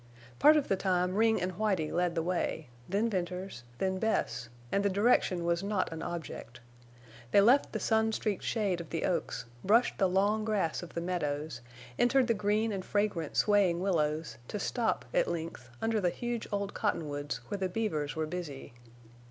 Part of the time Ring and Whitie led the way, then Venters, then Bess; and the direction was not an object. They left the sun streaked shade of the oaks, brushed the long grass of the meadows, entered the green and fragrant swaying willows, to stop, at length, under the huge old cottonwoods where the beavers were busy.